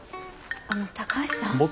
あの高橋さん？